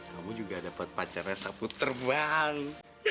kamu juga dapat pacarnya sapu terbang